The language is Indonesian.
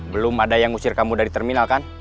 belum ada yang ngusir kamu dari terminal kan